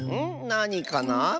なにかな？